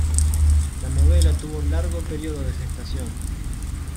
La novela tuvo un largo período de gestación.